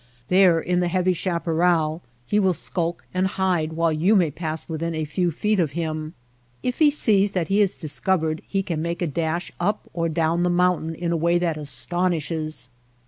There in the heavy chaparral he will skulk and hide while you may pass within a few feet of him. If he sees that he is discovered he can make a dash up or down the mountain in a way that astonishes.